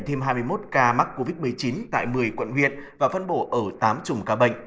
thêm hai mươi một ca mắc covid một mươi chín tại một mươi quận huyện và phân bổ ở tám chùm ca bệnh